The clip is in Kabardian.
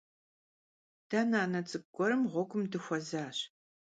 De nane ts'ık'u guerım ğuegum dıxuezaş.